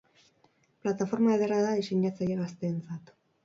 Plataforma ederra da diseinatzaile gazteentzat.